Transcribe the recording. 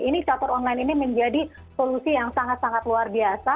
inisiator online ini menjadi solusi yang sangat sangat luar biasa